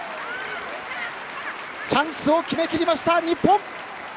チャンスを決めきりました、日本。